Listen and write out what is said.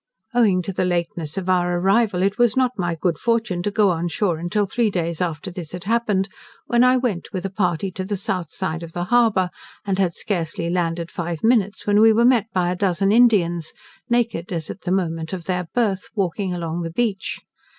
Owing to the lateness of our arrival, it was not my good fortune to go on shore until three days after this had happened, when I went with a party to the south side of the harbour, and had scarcely landed five minutes, when we were met by a dozen Indians, naked as at the moment of their birth, walking along the beach.